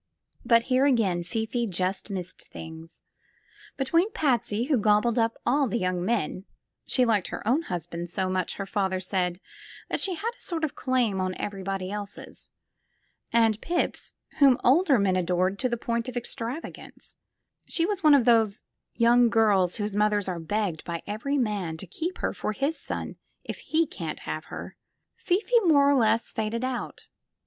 But here again Fifi just missed things. Between Patsy, who gobbled all the young men (she liked her own husband so much, her father said, that she had a sort of claim on everybody else's) and Pips, whom older men adored to the point of extravagance (she was one of those young girls whose mothers are begged by every man to keep her for his son, if he can't have her) Fifi more or less faded out.